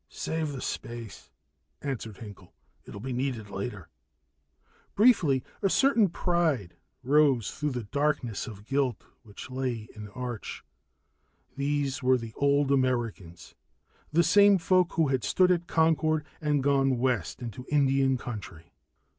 "Save that space," answered Hinkel. "It'll be needed later." Briefly, a certain pride rose through the darkness of guilt which lay in Arch. These were the old Americans, the same folk who had stood at Concord and gone west into Indian country.